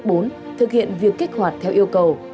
bước bốn thực hiện việc kết hoạt theo yêu cầu